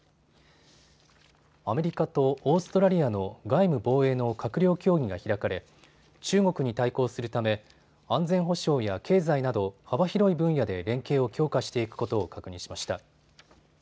アメリカとオーストラリアの外務・防衛の閣僚協議が開かれ、中国に対抗するため安全保障や経済など幅広い分野で連携を強化していくことを確認しました。